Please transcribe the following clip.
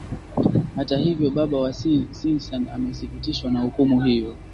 hata hivyo baba wa sinsang amesikitishwa na hukumu hiyo